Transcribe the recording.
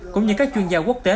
cũng như các chuyên gia quốc tế